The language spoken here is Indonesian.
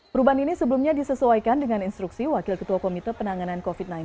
perubahan ini sebelumnya disesuaikan dengan instruksi wakil ketua komite penanganan covid sembilan belas